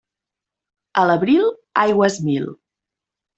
A l'abril, aigües mil.